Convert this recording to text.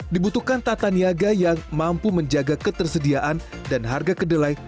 dibutuhkan tata niaga yang mampu menjaga ketersediaan dan harga kedelai